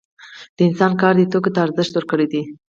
د انسان کار دې توکو ته ارزښت ورکړی دی